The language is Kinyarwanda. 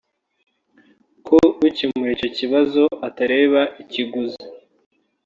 ko ukemura icyo kibazo atareba ikiguzi